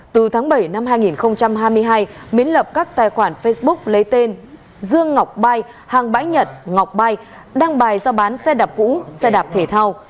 từ tháng bảy năm hai nghìn hai mươi hai miễn lập các tài khoản facebook lấy tên dương ngọc mai hàng bãi nhật ngọc bay đăng bài giao bán xe đạp cũ xe đạp thể thao